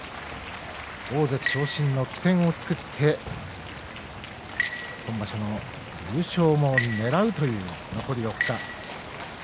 大関昇進の起点を作って今場所の優勝をねらうという残り４日。